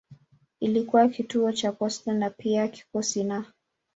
Ilikuwa kituo cha posta na pia cha kikosi na.